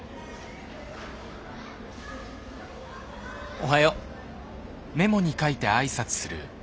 おはよう！